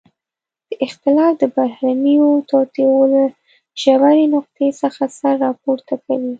دا اختلاف د بهرنيو توطئو له ژورې نقطې څخه سر راپورته کوي.